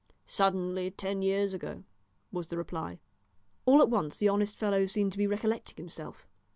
"Suddenly, ten years ago," was the reply. All at once the honest fellow seemed to be recollecting himself.